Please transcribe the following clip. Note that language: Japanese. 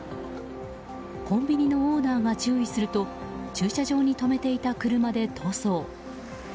コンビニのオーナーが注意すると駐車場に止めていた車で逃走。